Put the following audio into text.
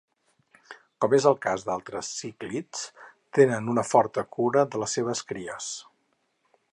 Com és el cas d'altres cíclids, tenen una forta cura de les seves cries.